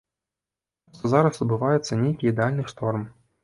Проста зараз адбываецца нейкі ідэальны шторм.